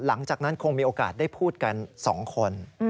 หลังจากนั้นคงมีโอกาสได้พูดกัน๒คน